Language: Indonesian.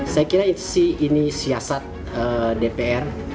saya kira ini siasat dpr